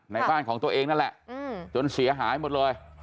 ในบ้านของตัวเองนั่นแหละจนเสียหายหมดเลย